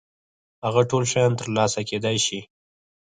هغه ټول شيان تر لاسه کېدای شي.